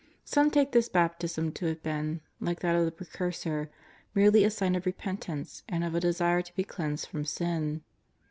Some take this baptism to have been, like that of the Precursor, merely a sign of repentance and of a desire to be cleansed from sin.